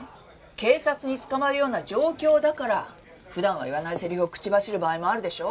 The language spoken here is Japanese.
警察に捕まるような状況だから普段は言わないセリフを口走る場合もあるでしょ。